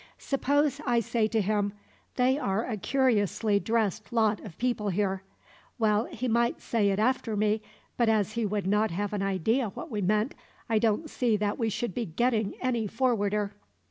"Suppose I say to him, 'They are a curiously dressed lot of people here.' "Well, he might say it after me, but as he would not have an idea what we meant, I don't see that we should be getting any forwarder."